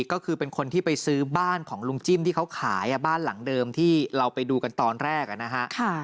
ก็คือเป็นคนที่ไปซื้อบ้านของลุงจิ้มที่เขาขายบ้านหลังเดิมที่เราไปดูกันตอนแรกนะฮะ